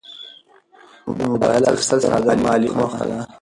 د موبایل اخیستل ساده مالي موخه ده.